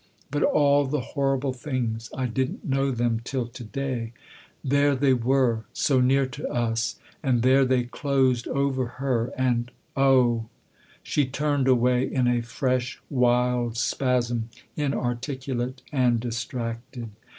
But all the horrible things I didn't know them till to day ! There they were so near to us ; and there they closed over her, and oh 1 " She turned away in a fresh wild spasm, inarticulate and distracted.